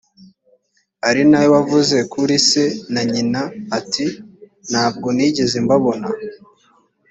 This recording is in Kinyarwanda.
ari na we wavuze kuri se na nyina ati’nta bwo nigeze mbabona!’